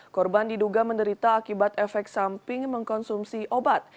korban diduga menderita akibat efek samping mengkonsumsi obat